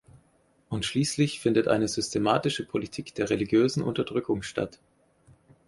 Und schließlich findet eine systematische Politik der religiösen Unterdrückung statt.